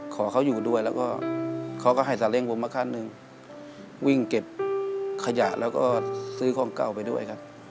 ขอเขาอยู่ด้วยแล้วก็เขาก็ให้สาเล้งผมมาขั้นหนึ่งวิ่งเก็บขยะแล้วก็ซื้อของเก่าไปด้วยครับ